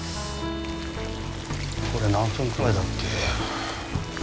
これ何分くらいだっけ。